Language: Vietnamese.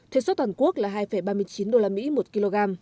thuế xuất toàn quốc là hai ba mươi chín usd một kg